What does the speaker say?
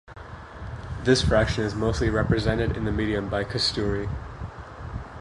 This fraction is mostly represented in the media by Kasturi.